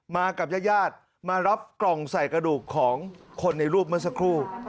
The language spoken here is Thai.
กับญาติญาติมารับกล่องใส่กระดูกของคนในรูปเมื่อสักครู่